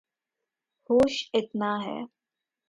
ہوش اتنا ہے